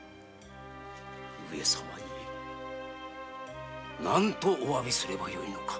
上様に何とおわびすればよいのか。